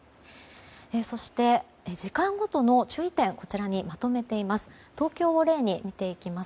そして、時間ごとの注意点をまとめています。